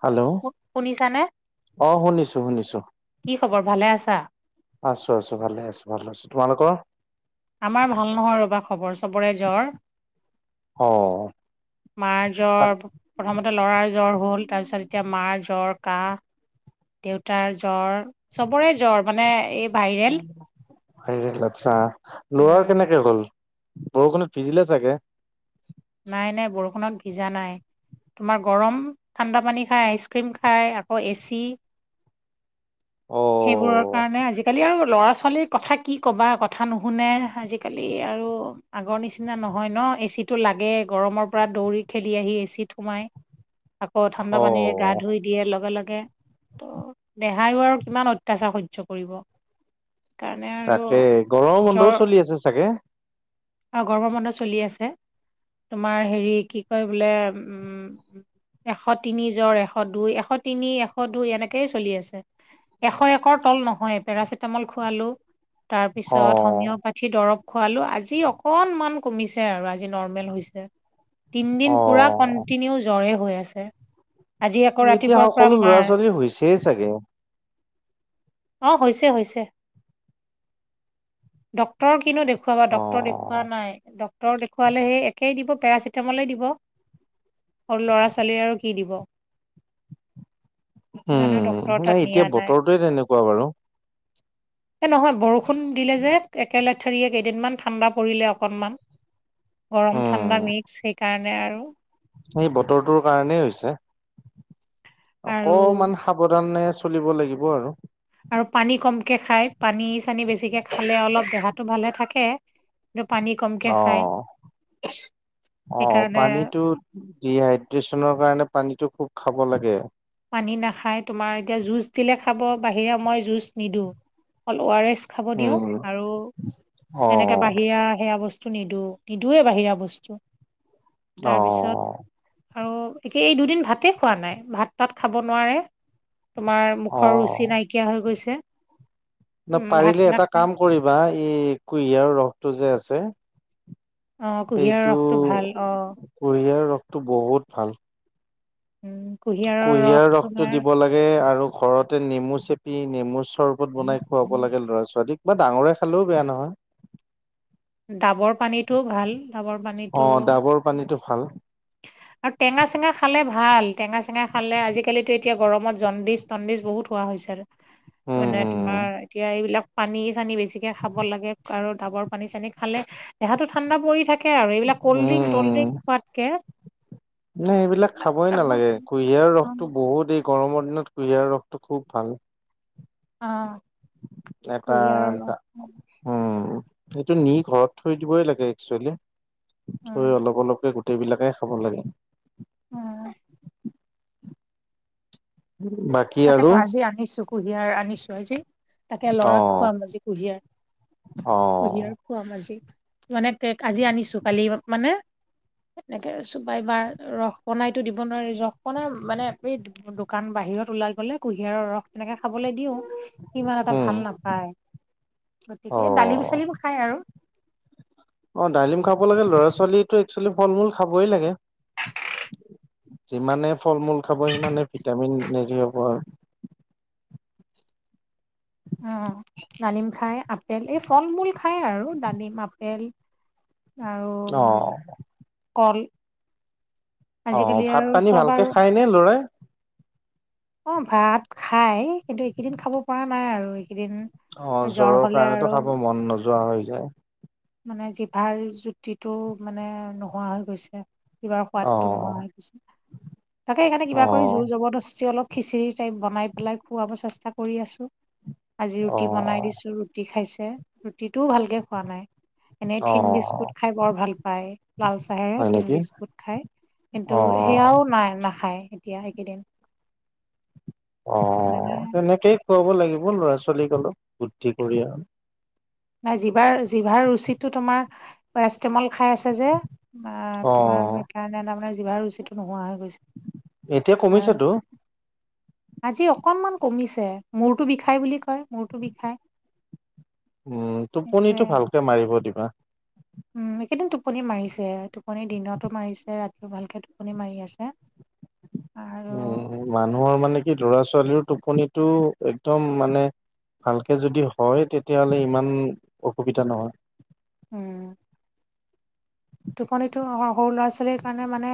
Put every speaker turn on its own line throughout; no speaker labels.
Hello
শুনিছানে
অ', শুনিছো শুনিছো।
কি খবৰ ভালে আছা?
আছো আছো ভালে আছো ভাল আছো তোমালোকৰ?
আমাৰ ভাল নহয় ৰবা খবৰ, চবৰে জ্বৰ।
অ'।
মাৰ
ত
জ্বৰ প্ৰথমতে লৰাৰ জ্বৰ হ'ল, তাৰপিছত এতিয়া মাৰ জ্বৰ কাহ। দেউতাৰ জ্বৰ চবৰে জ্বৰ মানে এই ভাইৰেল।
ভাইৰেল আচ্ছা,
উম
ল'ৰাৰ কেনেকে হ'ল বৰষুণত ভিজিলে চাগে?
নাই নাই বৰষুণত ভিজা নাই। তোমাৰ গৰম ঠাণ্ডা পানী খায় আইচক্ৰীম খায় আকৌ এ চি।
অ
সেইবোৰৰ কাৰণে, আজিকালি আৰু ল'ৰা-ছোৱালীক কথা কি ক'বা কথা নুশুনে আজিকালি আৰু আগৰ নিচিনা নহয় ন' এচি টো লাগে আগে গৰমৰ পৰা দৌৰি খেলি আহি, এ চিত সোমাই আকৌ ঠাণ্ডা
অ
পানীৰে গা ধুই দিয়ে লগে লগে ত' দেহায়ো আৰু কিমান অত্যাচাৰ সহ্য কৰিব। কাৰণে আৰু
তাকে গৰম বন্ধও
জ্বৰ
চলি আছে চাগে?
আৰু গৰম বন্ধ চলি আছে। তোমাৰ হেৰি কি' কয় বোলে উম' এশ তিনি জ্বৰ এশ দুই, এশ তিনি, এশ দুই এনেকেই চলি আছে। এশ একৰ তল নহয় পেৰাচিটামল খোৱালোঁ। তাৰ
অ
পিছত হোমিওপাথি দৰব খোৱালো আজি অকনমান কমিছে আৰু আজি নৰ্মেল হৈছে তিন
অ
দিন পুৰা কন্টিনিউ জ্বৰে হৈ আছে। আজি আকৌ
এতিয়া
ৰাতিপুৱাৰ পৰা
সকলো ল'ৰা
মাৰ।
ছোৱালী হৈছেই চাগে
অ হৈছে হৈছে ডাক্তৰক কিনো দে দেখুৱাবা
অ
ডাক্তৰক দেখোৱা নাই, ডক্তৰক দেখুৱালে সেই একেই দিব পেৰাচিটামলেই দিব। সৰু ল'ৰা-ছোৱালীয়ে আৰু কি দিব। সেইকাৰণে ডক্তৰৰ
উম
তাত
নাই
নিয়া
এতিয়া বতৰটোৱে তেনেকুৱা বাৰু।
এই নহয় বৰষুণ দিলে যে একেলথেৰিয়ীয়ে কেইদিনমান ঠাণ্ডা পৰিলে অকণমান। গৰম
উম
ঠাণ্ডা মিক্স সেইকাৰণে আৰু।
সেই বতৰটোৰ কাৰণেই হৈছে।
আৰু
অকমান সাৱধানে চলিব লাগিব আৰু।
আৰু পানী কমকে খাই পানী-চানী বেছিকে খালে অলপ দেহাটো ভালে থাকে। আৰু পানী। কমকে
অ
খায়
অ
সেইকাৰণে
পানীটোত। ডিহাইড্ৰেচন কাৰণে পানীটো খুব খাব লাগে।
পানী নাখায় তোমাৰ এতিয়া জুচ দিলে খাব, বাহিৰা মই জুচ নিদিওঁ অকল অ' আৰ এছ। খাব দিওঁ
উম
আৰু
অ
এনেকে বাহিৰা সেয়া বস্ তো নিদো নিদোৱে বাহিৰা বস্তু
অ
তাৰপিছত। আৰু এতিয়া এই দুদিন ভাতেই খোৱা নাই ভাত পাত খাব নোৱাৰে। তোমাৰ
অ
মুখৰ ৰুচি নাইকিয়া হৈ গৈছে। উম ভাত
না'পাৰিলে এটা
নাখায়
কাম কৰিবা এই কুঁহিয়াৰ ৰসটো যে আছে
অ, 'কুঁহিয়াৰ
সেইটো
ৰসটো ভাল অ'।
কুঁহিয়াৰ ৰসটো বহুত ভাল।
উম, কুহিযা
কুঁহিয়াৰ ৰসটো দিব লাগ গে আৰু ঘৰতে নেমু চেপি নেমু চৰবত বনাই খুৱাব লাগে ল'ৰা ছোৱালীক বা ডাঙৰে খালেও বেয়া নহয়।
ডাবৰ পানীটোও ভাল ডাবৰ
অ
পানীটো।
ডাবৰ পানীটো ভাল
আৰু টেঙা চেঙা খালে ভাল টেঙা চেঙা খালে আজিকালিতো এতিয়া গৰমত জণ্ডিচ জণ্ডিছ বহুত হোৱা হৈছে আৰু
উম
মানে
উম
তোমাৰ এতিয়া এইবিলাক পানী চানী বেছিকে খাব লাগে আৰু ডাবৰ পানী চানী খালে দেহাটো ঠাণ্ডা পৰি থাকে আৰু এইবিল কল্ড
উম
ড্ৰং
উম
চলড্ৰিং খোৱাত
নে এইবিলাক খাবই নালাগে কুঁহিয়াৰ ৰসটো বহুত এই গৰমৰ দিনত কুঁহিয়াৰ ৰসটো খুব ভাল।
অ'।
এটা
কুঁহিয়াৰৰ ৰস
উম, এইটো নি ঘৰত থৈ দিবই লাগে একচুৱেলি থৈ
উম
অলপ অলপকে গোটেই বিলাকে খাব লাগে।
উম।
বাকী আৰু
তাকেতো আজি আনিছোঁ। কুঁহিয়াৰ আনিছোঁ আজি, তাকে
অ
ল'ৰাক খোৱাম আজি কুঁহিয়াৰ,
অ
কুঁহিয়াৰ খুৱাম আজি, মানে পেক আজি আনিছোঁ, কালি মানে এনেকে চোপাই বা ৰস বনাইতো দিব নোৱাৰি, ৰস বনাই মানে এই দোকান বাহিৰত ওলাই গ'লে কুঁহিয়াৰৰ ৰস তেনেকে খাবলৈ দিওঁ। ইমান এটা
উম
ভাল নাপায়,
অ
গতিকে ডালিম চালিম খায় আৰু।
অ' ডালিম খাব লাগে ল'ৰা ছোৱালীটো একচুৱেলি ফল মূল খাবই লাগে। যিমানে ফল মূল খাব সিমানে ভিটামিন হেৰি হ'ব আৰু।
অ' ডালিম খায় আপেল এই ফল মূল খায় আৰু ডালিম, আপেল আৰু উম
অ'।
কল।
অ
আজিকালি
ভাত
আৰু
পানী
চব
ভালকে
আৰু
খাই নে লৰাই?
অ' ভাত খাই, কিন্তু এইকেইদিন খাব পৰা নাই আৰু এইকেইদিন
অ'
জ্বৰ
জ্বৰৰ
হলে
কাৰণেতো
আৰু
খাব মন নোযোৱা হৈ যায়।
মানে জিভাৰ জুতিটো মানে নোহোৱা হৈ গৈছে। কিবা
অ
সোৱাদটো নোহোৱা গৈছে, তাকে সেইকাৰণে কিবা কৰি
অ
জোৰ জবৰদস্তি অলপ খিচিৰি টাইপ বনাই পেলাই খুৱাব চেষ্টা কৰি আছোঁ, আজি
অ',
ৰুটি বনাই দিছোঁ, ৰু ৰুটি খাইছে, ৰুটিটোও ভালকৈ খোৱা নাই। এনেই
অ',
থিন বিস্কুট
অ',
খাই বৰ ভাল পায়, লাল চাহেৰে
হয়
থিন
নেকি?
বিস্কুট খাই। কিন্তু
অ',
সেয়াও নাই নাখায় এতিয়া এইকেইদিন। মানে
অ' তেনেকেই খুৱাব লাগিব ল'ৰা ছোৱালীক অলপ, বুদ্ধি কৰি আৰু।
নাই জিভাৰ জিভাৰ ৰুচিটো তোমাৰ পেৰাচিতামল খাই আছে যে অ' তোমাৰ
অ',
সেইকাৰণে তাৰমানানে জিভাৰ ৰুচিটো নোহোৱা হৈ গৈছে।
এতিয়া
আৰু
কমিছেতো?
আজি অকনমান কমিছে। মূৰটো বিষাই বুলি কয়, মূৰটো বিষাই।
উম,
সেইটোৱে
টোপনিটো ভালকে মাৰিব দিবা।
উম, একেইদিন টোপনি মাৰিছে, টোপনি দিনতো মাৰিছে ৰাতিও ভালকে টোপনি মাৰি আছে। [inaudible]
উম, উম, উম। মানুহৰ মানে কি ল'ৰা ছোৱালীৰ টোপনিটো একদম মানে ভালকে যদি হয় তেতিয়াহ'লে ইমান অসুবিধা নহয়।
উম। টোপনিটো স-সৰু ল'ৰা ছোৱালীৰ কাৰণে মানে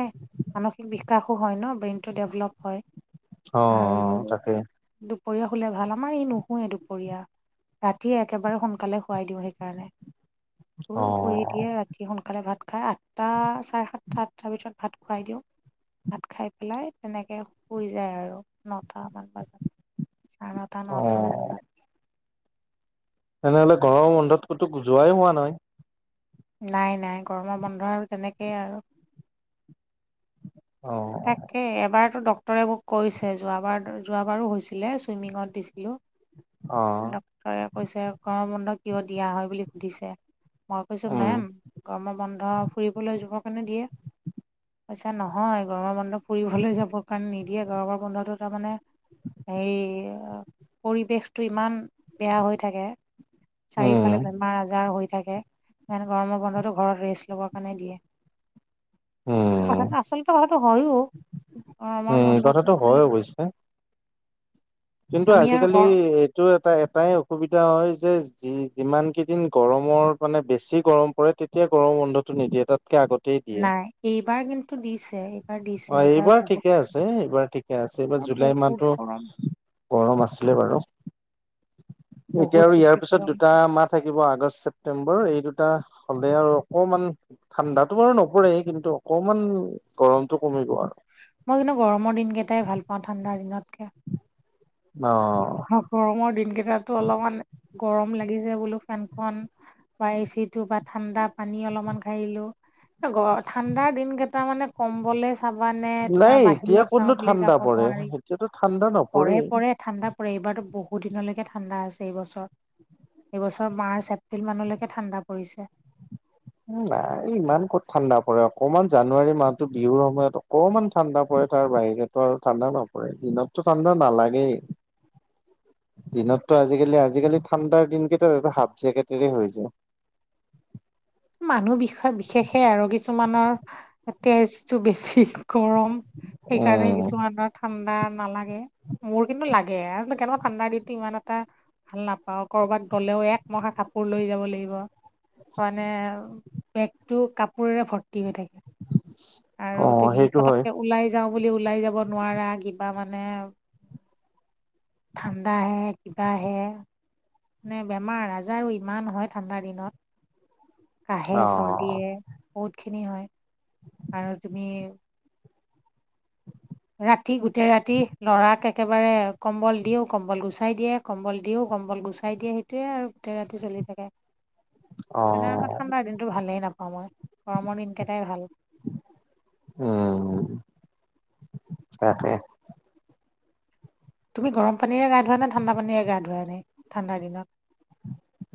মানসিক বিকাশো হয় ন' ব্ৰেইনটো ডেভেলপ হয়
অ',
আৰু
তাকে
দুপৰীয়া শুলে ভাল, আমাৰ ই নুশুৱে দুপৰীয়া। ৰাতি একেবাৰে সোনকালে শুৱাই দিওঁ সেইকাৰণে, শুই শুই দিয়ে
অ',
ৰাতি সোনকালে ভাত খাই আঠটা, চাৰে সাতটা, আঠটাৰ ভিতৰত ভাত খোৱাই দিওঁ। ভাত খাই পেলাই তেনেকে শুই যায় আৰু নটা মান বজাত। চাৰে নটা, নটা মান
অ',
বজাত।
তেনেহ'লে ঘৰৰ বন্ধত ক'তো যোৱাই হোৱা নাই।
নাই নাই গৰমৰ বন্ধ আৰু তেনেকেই আৰু।
অ'।
তাকে এবাৰতো ডক্টৰে মোক কৈছে যোৱাবাৰ যোৱাবাৰো হৈছিলে ছুইমিঙত দিছিলোঁ।
অ',
ডক্তৰে কৈছে গৰমৰ বন্ধ কিয় দিয়া হয় বুলি সুধিছে। মই কৈছো
উম,
মেম গৰমৰ বন্ধ ফুৰিবলৈ যোৱাৰ কাৰণে দিয়ে। কৈছে নহয়। গৰমৰ বন্ধ ফুৰিবলৈ যাবৰ কাৰণে নিদিয়ে গৰমৰ বন্ধটো তাৰমানে হেৰি ই ই ই এ এ এ আ পৰিৱেশটো ইমান বেয়া হৈ থাকে চাৰিওফালে
উম,
বেমাৰ-আজাৰ হৈ থাকে। সেইকাৰণে গৰমৰ বন্ধটো ঘৰত ৰেষ্ট লবৰ কাৰণে দিয়ে
উম।
কথাটো আচল এইটো হয়ও অ আমাৰ
উম
বন্ধত
কথাটো
মানে
হয় অৱশ্যে কিন্তু
আমি আৰু
আজিকালি
ঘৰ
ই ই এ। এইটো এটা এটাই অসুবিধা হয় যে যি যিমান কেইদিন গৰমৰ মানে বেছি গৰম পৰে তেতিয়া গৰমৰ বন্ধটো নিদিয়ে তাতকে আগ তে দিয়ে।
নাই এইবাৰ কিন্তু দিছে এইবাৰ দিছে
অ এইবাৰ
বহুত
ঠিকে আছে এইবাৰ ঠিক ঠিকে আছে। এইবাৰ জুলাই
বহুত
মাহতো
গৰম
গৰম আছিলে বাৰু এতিয়া
বহুত
আৰু
বেছি
ইয়াৰ পিছত
গৰম
দুটা মাহ থাকিব আগষ্ট ছেপ্টেম্বৰ এই দুটা হ'লে আৰু অকমান ঠাণ্ডাতো বাৰু নপৰে কিন্তু অকমান গৰমটো কমিব আৰু
মই কিন্তু গৰমৰ দিনকেইটাই ভাল পাওঁ ঠাণ্ডাৰ দিনতকে।
অ অ, অহ।
অ গৰমৰ দিনকেইটাতো অলপমান গৰম লাগিছে বোলো ফেনখন বা এচি টো বা ঠাণ্ডা পানী অলপমান খাই আহিলো। এ গৰ ঠাণ্ডাৰ দিন কেইটা মানে কম্বলে চাবা নে
নাই
তোমাৰ
এতিয়া
বাহিৰত
ক'তনো
চাওঁ বুলি
ঠাণ্ডা
যাব
পৰে
নোৱাৰি
এতিয়াতো ঠাণ্ডা
পৰে
নপৰেই
পৰে ঠাণ্ডা পৰে এইবাৰতো বহুত দিনলৈকে ঠাণ্ডা আছে এইবছৰ। এইবছৰ মাৰ্চ এপ্ৰিল মানলৈকে ঠাণ্ডা পৰিছে।
উ নাই ইমান ক'ত ঠাণ্ডা পৰে অকমান জানুৱাৰী মাহতো বিহুৰ সময়ত অকমান ঠাণ্ডা পৰে তাৰ বাহিৰেতো আৰু ঠাণ্ডা নপৰে দিনততো ঠাণ্ডা নালাগেই।
[inaudible]
দিনততো আজিকালি আজিকালি ঠাণ্ডাৰ দিনকেইটা এ হাফ জেকেটেৰে হৈ যায়।
মানুহ বিষয়ে বিশেষে আৰু কিছুমানৰ হা হা। এ তেজটো বেছি হি গৰম সেইকাৰণে
উম
কিছুমানৰ ঠাণ্ডা নালাগে। মোৰ কিন্তু লাগে আৰু কেনেকুৱা ঠাণ্ডা দিনটো ইমান এটা ভাল নাপাওঁ কৰবাত গ'লেও একমহা কাপোৰ লৈ যাব লাগিব।
উ চু।
মানে এ এ ও ও বেগটো কাপোৰেৰে ভৰ্তি হৈ থাকে। আৰু
অ
তুমি
সেইটো হয়
পতককে ওলাই যাওঁ বুলি ওলাই যাব নোৱাৰা কিবা মানে ঠাণ্ডা আহে কিবা আহে নে বেমাৰ-আজাৰো ইমান হয় ঠাণ্ডাৰ দিনত। কাঁহে
অ
চৰ্দিয়ে বহুতখিনি হয় আৰু তুমি ৰাতি গোটেই ৰাতি লৰাক একেবাৰে কম্বল দিও কম্বল গুচাই দিয়ে। কম্বল দিওঁ কম্বল গুচাই দিয়ে সেইটোৱে আৰু গোটেই ৰাতি চলি থাকে।
অ
তেনে আমাৰ ঠাণ্ডাৰ দিনটো ভালেই নাপাওঁ মই গৰমৰ দিনকেইটাই ভাল।
উহু, উম উ উ উ, উচ্ তাকে
তুমি গৰম পানীৰে গা ধুৱা নে ঠাণ্ডা পানীৰে গা ধুৱাই নাই ঠাণ্ডাৰ দিনত।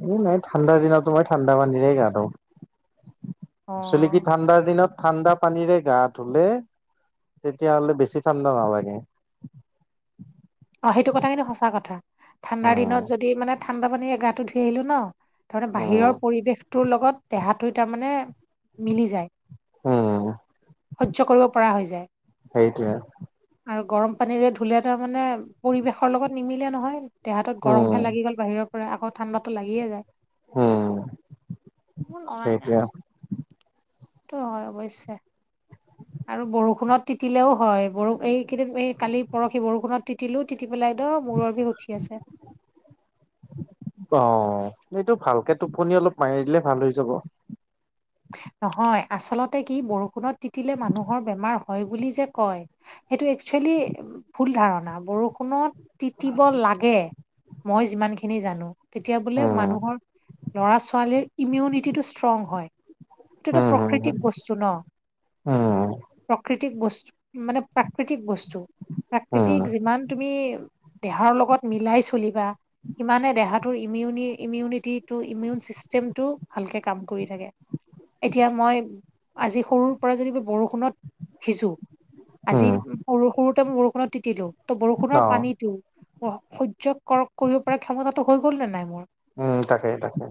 এই নাই ঠাণ্ডাৰ দিনতো মই ঠাণ্ডা পানীৰে গা ধুওঁ।
অ
আচল কি ঠাণ্ডাৰ দিনত ঠাণ্ডা পানীৰে গা ধুলে, তেতিয়াহলে বেছি ঠাণ্ডা নালাগে।
অ' সেইটো কথা কিন্তু সঁচা কথা, ঠাণ্ডাৰ
উম
দিনত যদি মানে ঠাণ্ডা পানী গাটো ধুই আহিলো ন। তাৰমানে বাহিৰৰ
উম
পৰিৱেশটোৰ লগত দেহাটো তাৰমানে, মিলি যায়।
উম
সহ্য কৰিব পৰা হৈ যায়।
সেইটোৱে
আৰু গৰম পানীৰে ধুলে তাৰমানে পৰিৱেশৰ লগত নিমিলে নহয়। দেহত
উম
গৰমে লাগি গ'ল বাহিৰৰ পৰা, আকৌ ঠাণ্ডাটো লাগিয়ে যায়।
উম
মোৰ নাই।
সেইটোৱে
সেইটো হয় অৱশ্যে। আৰু বৰষুণত তিতিলে ও হয়, বৰ এই কেইদিন এই কালি পৰহি বৰষুণত। তিতিলো তি পেলাই মূৰৰ বিষ উঠি আছে।
অ', এইটো ভালকে টোপনি অলপ মাৰি দিলে ভাল হৈ যাব।
নহয় আচলতে কি বৰষুণত তিতিলে মানুহৰ বেমাৰ হয় বুলি যে কয়। সেইটো একচুৱেলি, ভুল ধাৰণা বৰষুণত তিতিব লাগে। মই যিমানখিনি জানো। তেতিয়া বোলে
উম
মানুহৰ, লৰা-ছোৱালীৰ ইমিউনিটিটো ষ্ট্ৰং হয়। এইটোতো
উম হম
প্ৰকৃতিক বস্তু ন,
উম
প্ৰকৃতি প্ৰকৃতি বস্তু, মানে প্ৰকৃতি বস্তু, প্ৰকৃতি
উম
যিমান তুমি দেহাৰ লগত মিলাই চলিবা, ইমানে দেহাটোৰ ইমিউনি-ইমিউনিটিটো -ইমিউন ছিষ্টেমটো ভালকৈ কাম কৰি থাকে। এতিয়া মই, আজি সৰুৰ পৰা যদি বৰষুণত, তিতিছো। আজি
উম
সৰু সৰুতে মই বৰষুণত তিতিলো ত'
অ
বৰষুণৰ পানীটো সহ্য কৰক কৰিব পৰা ক্ষমতাটো হৈ গ'ল নে নাই মোৰ।
উম, তাকে তাকে।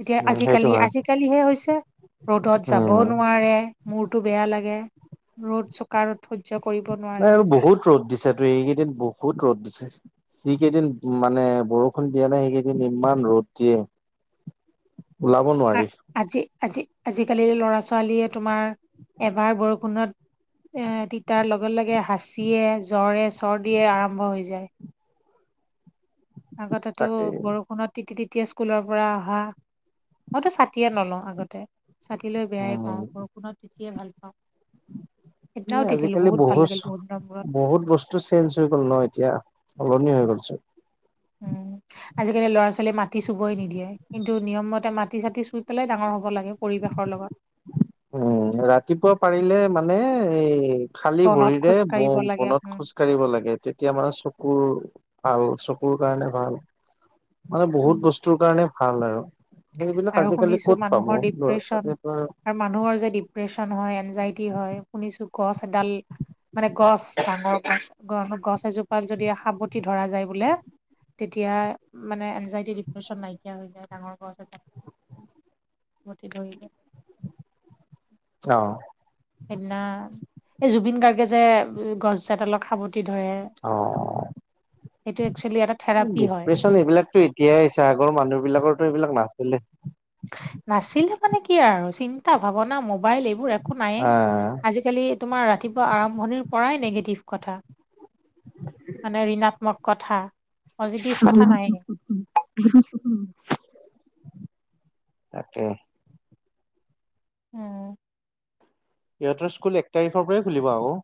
এতিয়া
উম সেইটো
আজি-কালি আজি
হয়
আজিকালিহে হৈছে, ৰ'দত যাবও
উম
নোৱাৰে মূৰটো বেয়া লাগে। ৰ'দ চোকা ৰদ সহ্য কৰিব নোৱাৰে।
আচ্ছা, তো এইকেইদিন বহুত ৰ'দ দিছে। যি কেইদিন মানে বৰষুণ দিয়া নাই সেই কেইদিন ইমান ৰ'দ দিয়ে।
[inaudible]
ওলাব
আ-
নোৱাৰি।
আজি -আজি, আজি-কালি ল'ৰা- ছোৱালীয়ে তোমাৰ, এবাৰ বৰষুণত এ তিতাৰ লগে লগে হাঁচিয়ে জ্বৰে চৰ্দিয়ে আৰম্ভ হৈ যায়। আগতেটো
তাকে
বৰষুণত তিতিয়ে স্কুলৰ পৰা অহা, মইতো ছাতিয়ে নলওঁ আগতে। ছাতি লৈ বেয়াই
উম
পাওঁ, বৰষুণত তিতিয়াই ভাল পাওঁ। সেইদিনাও তিতিলো
আজি-কালি
ভাল
বহুত,
লাগিল দিনৰ মূৰত
বহুত বস্তু চেঞ্জ হৈ গ'ল ন এতিয়া, সলনি হৈ গ'ল চোন।
উম। আজি-কালি ল'ৰা- ছোৱালীয়ে মাটি চুবই নিদিয়ে, কিন্তু নিয়মতে মাটি- চাটি চুই পেলাই ডাঙৰ হ'ব লাগে পৰিৱেশৰ লগত।
উম, ৰাতিপুৱা পাৰিলে মানে এই খালী
বনত
ভৰিৰে
খোজ
ব
কাঢ়িব লাগে
-বনত
উম,
খোজ কাঢ়িব লাগে! তেতিয়া মানে চকুৰ ভাল চকুৰ কাৰণে ভাল! মানে
উম।
বহুত বস্তুৰ কাৰণে ভাল আৰু, সেইবিলাক
আৰু
আজিকালি
শুনিছো
ক'ত পাব
মানুহৰ
লৰা-
ডিপ্ৰেচন
ছোৱালী
আৰু মানুহৰ যে ডিপ্ৰেচন হয় এনজাইটি হয়! শুনিছোঁ গছ এডাল মানে গছ ডাঙৰ গছ- গছ এজোপাত যদি সাৱটি ধৰা যায় বোলে? তেতিয়া মানে এনজাইটি ডিপ্ৰেশছন নাইকিয়া হৈ যায় ডাঙৰ গছ এ [unintelligible]
অ',
সেইদিনা এই জুবিন গাৰ্গে যে গছজাত এডালক সাৱটি ধৰে!
অ
সেইটো একচুৱেলি এটা থেৰাপি হয়।
আৰু এই বিলাকতো এতিয়াই আহিছে, আগৰ মানুহ বিলাকৰতো এই বিলাক নাছিলে।
নাছিলে মানে কি আৰু চিন্তা, ভাৱনা, মোবাইল এইবোৰ একো নাই।
আ
আজি কালি তোমাৰ ৰাতিপুৱা আৰম্ভণিৰ পৰাই নিগেটিভ কথা? মানে ঋণাত্মক কথা। পজিটিভ কথা নায়েই।
[unintelligible] তাকে?
উম'।
সিহঁতৰ স্কুল এক তাৰিখৰ পৰাই খুলিব আকৌ।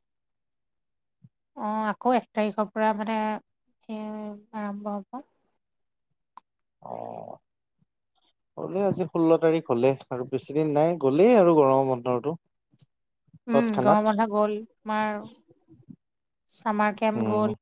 অ', আকৌ এক তাৰিখৰ পৰা মানে সেই আৰম্ভ হ'ব। [inaudible]
গলে আজি ষোল্ল তাৰিখ হ'লে আৰু বেছি দিন নাই, গ'লেই আৰু গৰম বন্ধটো।
উম, গৰমৰ বন্ধ গ'ল। তোমাৰ চামাৰ কেম্প
উম
গ'ল।